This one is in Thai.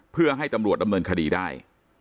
เพื่อให้ตำรวจดำเนินคดีได้